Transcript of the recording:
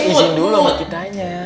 izin dulu sama kitanya